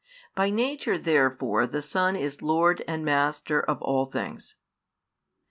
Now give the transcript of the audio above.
By nature therefore the Son is Lord and Master of all things.